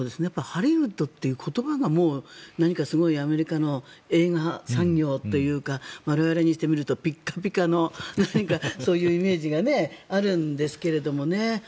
ハリウッドっていう言葉がもう何か、すごいアメリカの映画産業というか我々にしてみるとピカピカのそういうイメージがあるんですけどね。